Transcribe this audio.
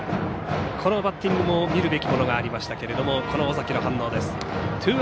このバッティングも見るべきものがありましたが尾崎の反応。